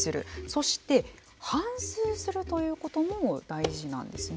そして反すうするということも大事なんですね。